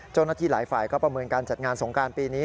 เจ้าหน้าที่หลายฝ่ายก็ประเมินการจัดงานสงการปีนี้